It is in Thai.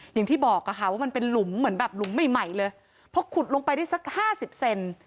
อย่างที่บอกค่ะว่ามันเป็นหลุมเหมือนแบบหลุมใหม่ใหม่เลยพอขุดลงไปได้สักห้าสิบเซน